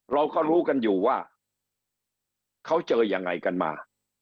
เราก็รู้กันอยู่ว่าเขาเจอยังไงกันมา